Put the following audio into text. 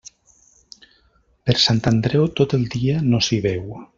Per Sant Andreu, tot el dia no s'hi veu.